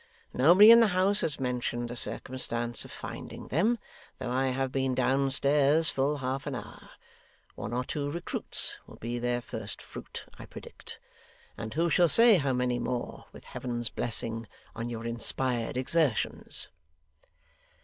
Nobody in the house has mentioned the circumstance of finding them, though I have been downstairs full half an hour. One or two recruits will be their first fruit, I predict; and who shall say how many more, with Heaven's blessing on your inspired exertions!